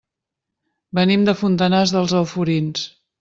Venim de Fontanars dels Alforins.